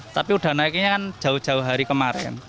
tapi sudah naiknya kan jauh jauh hari kemarin